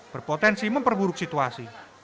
berpotensi memperburuk situasi